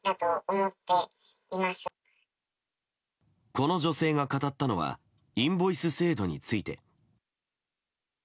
この女性が語ったのはインボイス制度について。